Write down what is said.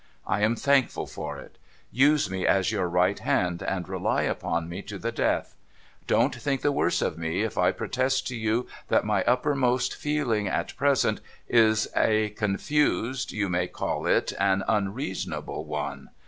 I am thankful for it. Use me as your right hand, and rely upon me to the death. Don't think the worse of me if I protest to you that my uppermost feeling at present is a confused, you may call it an unreasonable, one.